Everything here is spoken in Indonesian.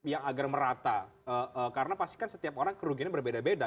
yang agar merata karena pasti kan setiap orang kerugiannya berbeda beda